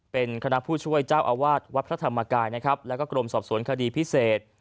เป็นคณะผู้ช่วยเจ้าอาวาสวัดพระธรรมกายนะครับแล้วก็กรมสอบสวนคดีพิเศษ